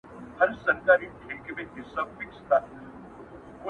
او هغه نفر چي دی یې په کور کي اوسېدی